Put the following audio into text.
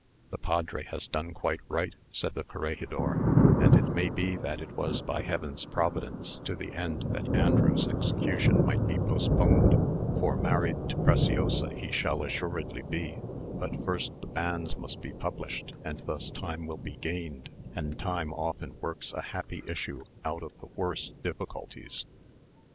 "The padre has done quite right," said the corregidor, "and it may be that it was by heaven's providence, to the end that Andrew's execution might be postponed; for married to Preciosa he shall assuredly be, but first the banns must be published, and thus time will be gained, and time often works a happy issue out of the worst difficulties.